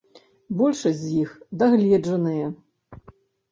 Большасць з іх дагледжаныя.